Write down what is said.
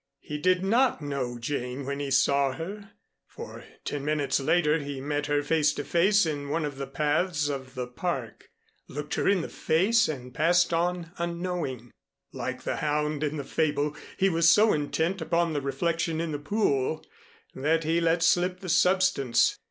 He did not know Jane when he saw her. For, ten minutes later, he met her face to face in one of the paths of the Park looked her in the face and passed on unknowing. Like the hound in the fable, he was so intent upon the reflection in the pool that he let slip the substance.